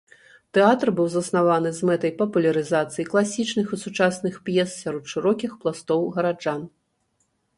Тэатр быў заснаваны з мэтай папулярызацыі класічных і сучасных п'ес сярод шырокіх пластоў гараджан.